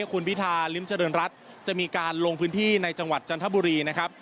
คุณพิธาริมเจริญรัฐจะมีการลงพื้นที่ในจังหวัดจันทบุรีนะครับ